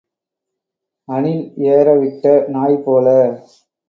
அணில் ஏற விட்ட நாய் போல.